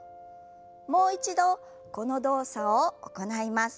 もう一度この動作を行います。